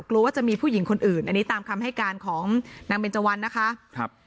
กลัวว่าจะมีผู้หญิงคนอื่นอันนี้ตามคำให้การของนางเบนเจวันนะคะครับ